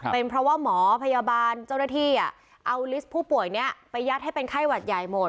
เป็นเพราะว่าหมอพยาบาลเจ้าหน้าที่เอาลิสต์ผู้ป่วยนี้ไปยัดให้เป็นไข้หวัดใหญ่หมด